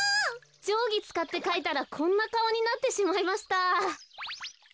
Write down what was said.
じょうぎつかってかいたらこんなかおになってしまいました。